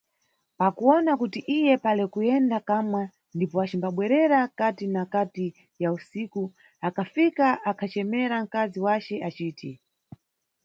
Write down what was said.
Pakuwona kuti iye pale kuyenda kamwa ndipo acimbabwerera kati na kati ya usiku, akafika akhacemera nkazi wace aciti.